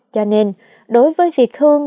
cho nên đối với phi hương